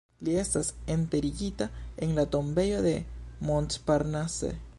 Li estas enterigita en la tombejo de Montparnasse.